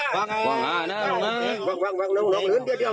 วางวางวางวางวาง